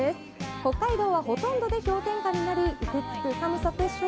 北海道はほとんどで氷点下になり凍てつく寒さでしょう。